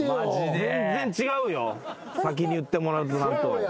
全然違うよ先に言ってもらうとなると。